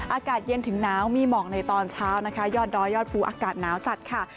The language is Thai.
อากาศเย็นถึงหนาวมีหมอกในตอนเช้านะคะยอดดอยยอดภูอากาศหนาวจัดค่ะ